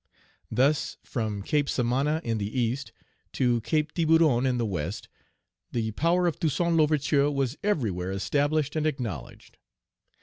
Thus, from Cape Samana in the East to Cape Tiburon in the West, the power of Toussaint L'Ouverture was everywhere established and acknowledged.